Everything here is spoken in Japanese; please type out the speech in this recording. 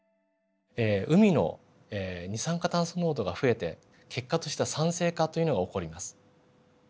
海の二酸化炭素濃度が増えて結果としては酸性化というのが起こります。